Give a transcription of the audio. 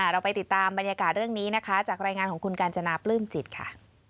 เราไปติดตามบรรยากาศเรื่องนี้นะคะจากรายงานของคุณกาญจนาปลื้มจิตค่ะ